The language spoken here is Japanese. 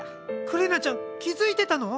くれなちゃん気付いてたの？